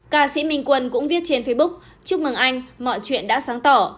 ca sĩ minh quân cũng viết trên facebook chúc mừng anh mọi chuyện đã sáng tỏ